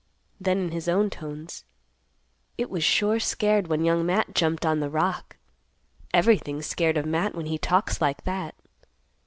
Then in his own tones, "It was sure scared when Young Matt jumped on the rock. Everything's scared of Matt when he talks like that.